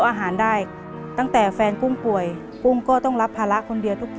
รายการต่อไปนี้เป็นรายการทั่วไปสามารถรับชมได้ทุกวัย